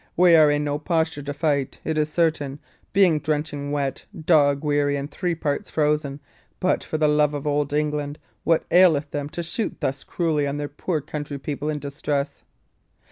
"We are in no posture to fight, it is certain, being drenching wet, dog weary, and three parts frozen; but, for the love of old England, what aileth them to shoot thus cruelly on their poor country people in distress?"